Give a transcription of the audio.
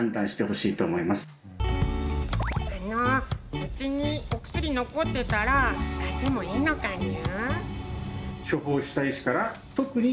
家にお薬残ってたら使ってもいいのかにゅ。